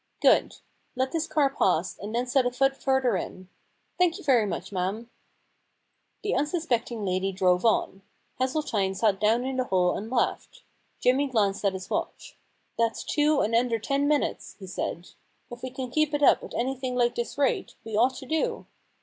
.* Good. Let this car past, and then set a foot further in. Thank you very much, madam.' The unsuspecting lady drove on. Hessel tine sat down in the hole and laughed. Jimmy glanced at his watch. * That's two in under ten minutes,' he said. * If we can keep it up at anything like this rate, we ought to do.'